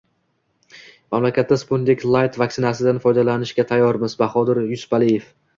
Mamlakatda Sputnik Layt vaksinasidan foydalanishga tayyormiz — Bahodir Yusupaliyev